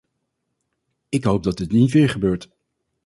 Ik hoop dat dit niet weer gebeurt.